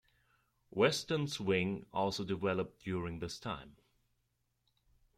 Western swing also developed during this time.